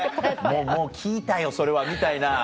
「もう聞いたよそれは」みたいな。